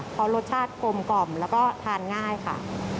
เพราะรสชาติกลมกล่อมแล้วก็ทานง่ายค่ะ